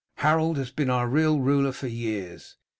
Harold has been our real ruler for years.